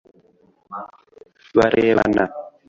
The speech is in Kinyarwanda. Bararebana